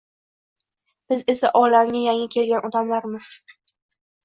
Biz esa olamga yangi kelgan odamlarmiz